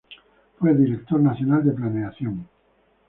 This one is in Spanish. Fue Director Nacional de Planeación.